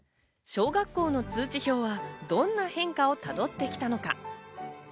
小学校の通知表はどんな変化をたどってきたのか。